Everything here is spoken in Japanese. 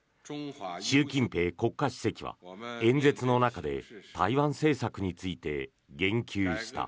習近平国家主席は、演説の中で台湾政策について言及した。